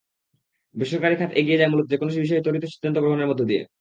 বেসরকারি খাত এগিয়ে যায় মূলত যেকোনো বিষয়ে ত্বরিত সিদ্ধান্ত গ্রহণের মধ্য দিয়ে।